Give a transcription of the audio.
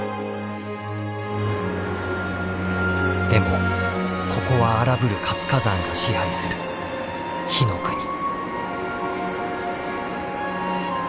でもここは荒ぶる活火山が支配する火の国。